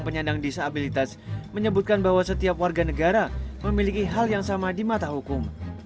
penyandang disabilitas menyebutkan bahwa setiap warga negara memiliki hal yang sama di mata hukum